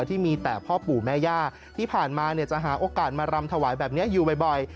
ที่มีแต่พ่อปู่แม่ย่าที่ผ่านมาจะหาโอกาสมารำถวายแบบนี้อยู่บ่อย